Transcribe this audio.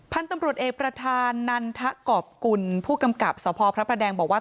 พันธุ์ตำรวจเอกประธานนันทะกรอบกุลผู้กำกับสพพระประแดงบอกว่า